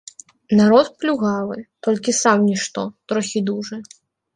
Народ плюгавы, толькі сам нішто, трохі дужы.